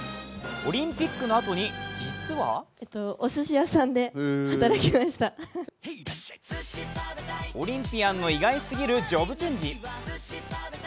オリンピックのあとに実はオリンピアンの意外すぎるジョブチェンジ。